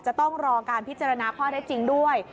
จะต้องรอการพิจารณาข้อได้จริงด้วย